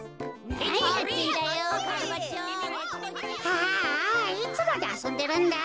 ああいつまであそんでるんだ。